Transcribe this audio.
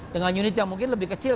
dengan unit yang mungkin lebih kecil